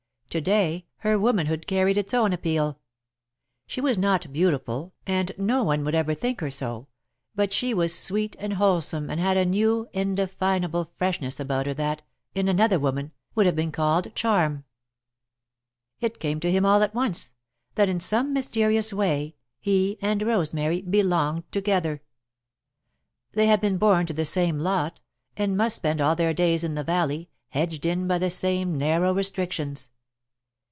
To day her womanhood carried its own appeal. She was not beautiful and no one would ever think her so, but she was sweet and wholesome and had a new, indefinable freshness about her that, in another woman, would have been called charm. It came to him, all at once, that, in some mysterious way, he and Rosemary belonged together. They had been born to the same lot, and must spend all their days in the valley, hedged in by the same narrow restrictions.